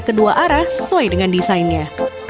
kedua arah sesuai dengan desainnya